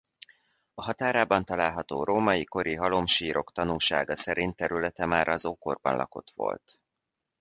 A határában található római kori halomsírok tanúsága szerint területe már az ókorban lakott volt.